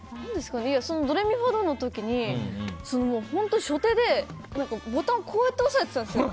「ドレミファドン」の時に本当に初手でボタン、こうやって押さえていたんですよ。